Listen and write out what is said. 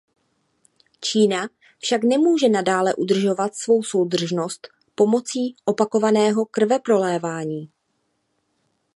Čína však nemůže nadále udržovat svou soudržnost pomocí opakovaného krveprolévání.